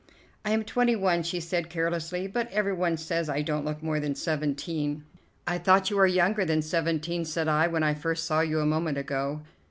"I am twenty one," she said carelessly, "but every one says I don't look more than seventeen." "I thought you were younger than seventeen," said I, "when I first saw you a moment ago."